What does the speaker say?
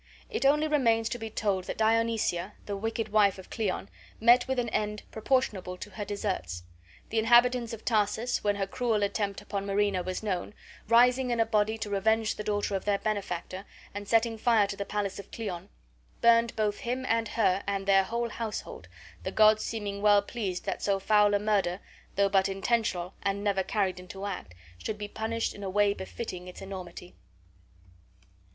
It only remains to be told that Dionysia, the wicked wife of Cleon, met with an end proportionable to her deserts. The inhabitants of Tarsus, when her cruel attempt upon Marina was known, rising in a body to revenge the daughter of their benefactor, and setting fire to the palace of Cleon, burned both him and her and their whole household, the gods seeming well pleased that so foul a murder, though but intentional and never carried into act, should be punished in a way befitting its enormity.